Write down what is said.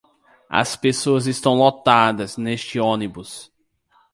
As pessoas estão lotadas neste ônibus.